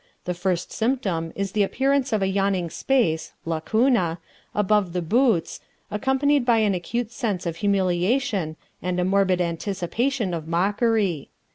The first symptom is the appearance of a yawning space (lacuna) above the boots, accompanied by an acute sense of humiliation and a morbid anticipation of mockery.